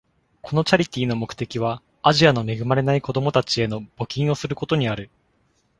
このチャリティーの目的は、アジアの恵まれない子供たちへの募金をすることにある。